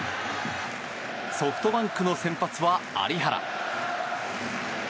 ソフトバンクの先発は有原。